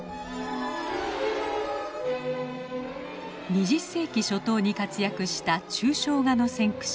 ２０世紀初頭に活躍した抽象画の先駆者